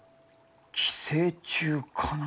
寄生虫かな？